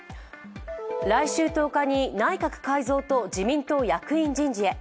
来週１０日に内閣改造と自民党役員人事へ。